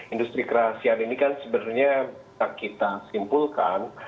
industri kerahasiaan ini kan sebenarnya bisa kita simpulkan